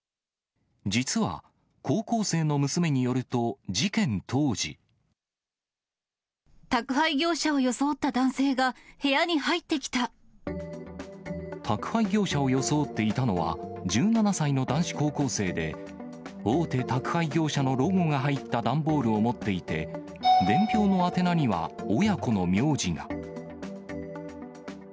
実は、高校生の娘によると、事件当時。宅配業者を装った男性が部屋宅配業者を装っていたのは、１７歳の男子高校生で、大手宅配業者のロゴが入った段ボールを持っていて、伝票の宛名には、親子の名字が。